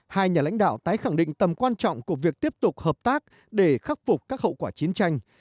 hai nhà lãnh đạo tái khẳng định tầm quan trọng của việc tiếp tục hợp tác để khắc phục các hậu quả chiến tranh